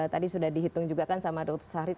tadi sudah dihitung juga kan sama dr syarid